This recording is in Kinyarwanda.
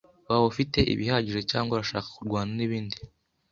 Waba ufite ibihagije cyangwa urashaka kurwana nibindi?